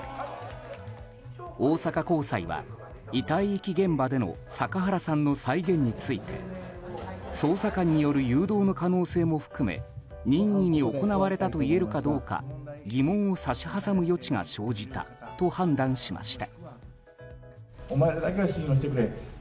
大阪高裁は遺体遺棄現場での阪原さんの再現について捜査官による誘導の可能性も含め任意に行われたといえるかどうか疑問を差し挟む余地が生じたと判断しました。